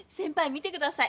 見てください。